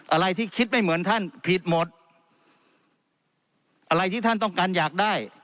อะไรที่คิดไม่เหมือนท่านผิดหมดอะไรที่ท่านต้องการอยากได้